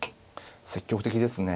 積極的ですね。